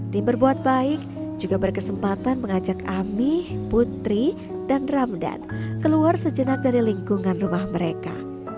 tim berbuat baik juga berkesempatan mengajak ami putri dan ramdan keluar sejenak dari lingkungan rumah mereka